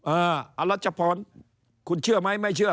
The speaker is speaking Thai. อรัชพรคุณเชื่อไหมไม่เชื่อ